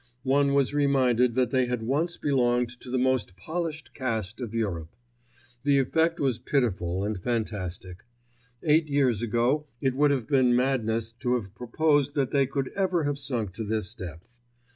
One was reminded that they had once belonged to the most polished caste of Europe. The effect was pitiful and fantastic. Eight years ago it would have been madness to have proposed that they could ever have sunk to this depth.